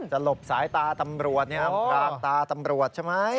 หลบสายตาตำรวจกราบตาตำรวจใช่ไหม